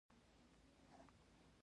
د کریپټو کرنسی بندیز شته؟